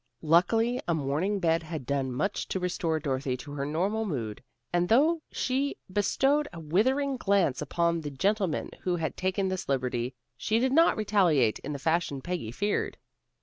Luckily a morning in bed had done much to restore Dorothy to her normal mood, and though she bestowed a withering glance upon the gentleman who had taken this liberty, she did not retaliate in the fashion Peggy feared.